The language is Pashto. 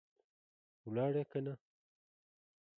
ولاړې که نه؟